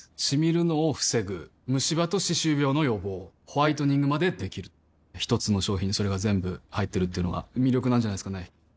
シミるのを防ぐムシ歯と歯周病の予防ホワイトニングまで出来る一つの商品にそれが全部入ってるっていうのが魅力なんじゃないですかね